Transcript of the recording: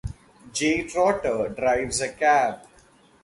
Jay Trotter drives a cab.